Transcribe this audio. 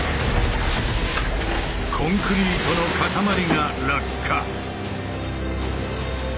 コンクリートの塊が落下。